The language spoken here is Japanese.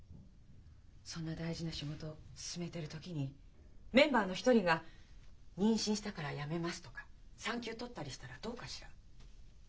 そんな大事な仕事を進めてる時にメンバーの一人が「妊娠したから辞めます」とか産休を取ったりしたらどうかしら？